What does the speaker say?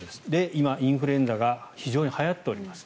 今、インフルエンザが非常にはやっております。